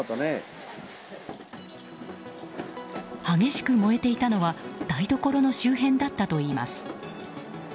激しく燃えていたのは台所の周辺だったといいます。